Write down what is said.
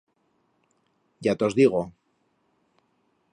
Ya tos digo.